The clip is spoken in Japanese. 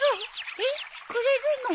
えっくれるの？